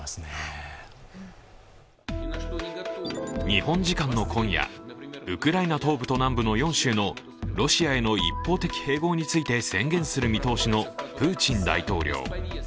日本時間の今夜、ウクライナ東部と南部の４州のロシアへの一方的併合について宣言する見通しのプーチン大統領。